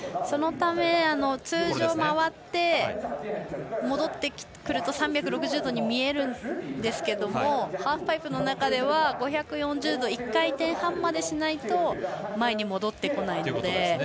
そのため通常回って戻ってくると３６０度に見えるんですけれどもハーフパイプの中では５４０度１回転半までしないと前に戻ってこないので。